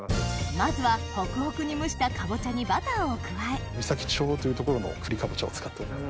まずはホクホクに蒸したかぼちゃにバターを加え美咲町というところのくりかぼちゃを使って。